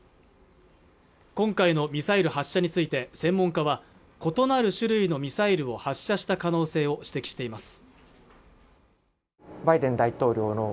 今回のミサイル発射について専門家は異なる種類のミサイルを発射した可能性を指摘しています